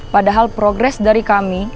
padahal progres dari kami